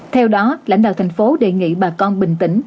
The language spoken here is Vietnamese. theo đó lãnh đạo thành phố đề nghị bà con bình tĩnh